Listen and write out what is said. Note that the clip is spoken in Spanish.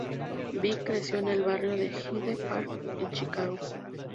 Vic creció en el barrio de Hyde Park en Chicago.